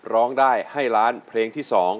ร้องได้ให้ล้านเพลงที่๒